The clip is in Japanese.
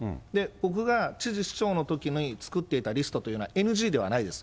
僕が知事、市長のときに作っていたリストというのはＮＧではないです。